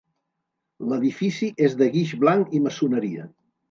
L'edifici és de guix blanc i maçoneria.